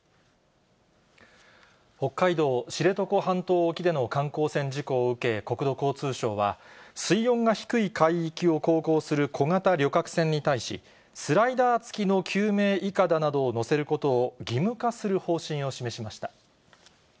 北海道知床半島沖での観光船事故を受け、国土交通省は、水温が低い海域を航行する小型旅客船に対し、スライダー付きの救命いかだなどを載せることを義務化する方針を示しました。